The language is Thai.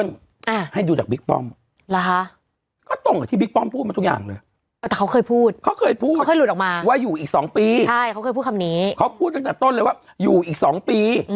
ไม่เกี่ยวกับ๘ปี